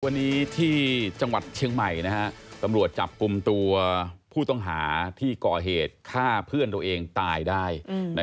วันนี้ที่จังหวัดเชียงใหม่ตำรวจจับกลุ่มตัวผู้ต้องหาที่ก่อเหตุฆ่าเพื่อนตัวเองตายได้